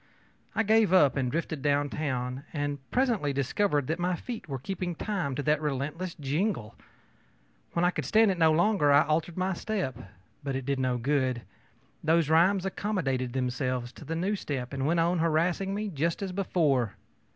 I gave up and drifted down town, and presently discovered that my feet were keeping time to that relentless jingle. When I could stand it no longer I altered my step. But it did no good; those rhymes accommodated themselves to the new step and went on harassing me just as before.